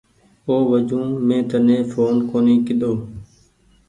او وجون مين تني ڦون ڪونيٚ ڪيۮو۔